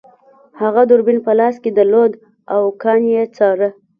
هغه دوربین په لاس کې درلود او کان یې څاره